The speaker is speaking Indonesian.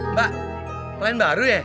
mbak pelayan baru ya